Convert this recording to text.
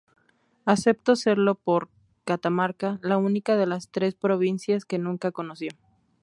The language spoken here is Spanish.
Aceptó serlo por Catamarca, la única de las tres provincias que nunca conoció.